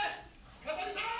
風見さん！